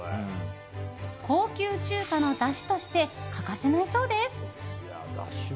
高級中華のだしとして欠かせないそうです。